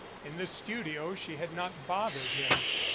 In the studio she had not bothered him.